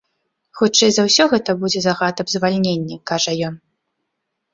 Хутчэй за ўсё гэта будзе загад аб звальненні, кажа ён.